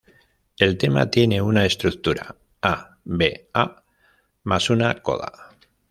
El tema tiene una estructura A-B-A más una coda.